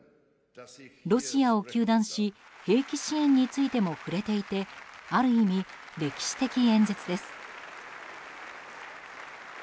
ロシアを糾弾し兵器支援についても触れていてある意味、歴史的演説です。